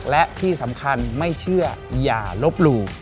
และที่สำคัญไม่เชื่ออย่าลบหลู่